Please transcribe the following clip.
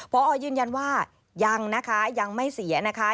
พอยืนยันว่ายังนะคะยังไม่เสียนะคะ